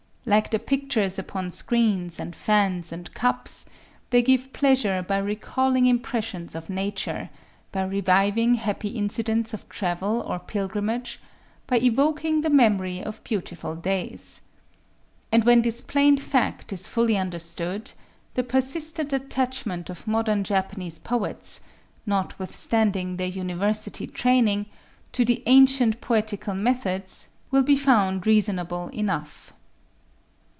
Like the pictures upon screens and fans and cups, they give pleasure by recalling impressions of nature, by reviving happy incidents of travel or pilgrimage, by evoking the memory of beautiful days. And when this plain fact is fully understood, the persistent attachment of modern Japanese poets—notwithstanding their University training—to the ancient poetical methods, will be found reasonable enough.